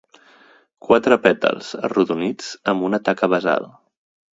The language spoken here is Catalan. Quatre pètals, arrodonits, amb una taca basal.